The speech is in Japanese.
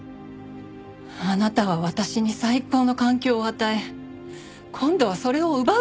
あなたは私に最高の環境を与え今度はそれを奪うというの？